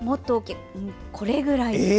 これぐらいです。